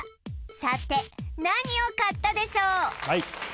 さて何を買ったでしょう？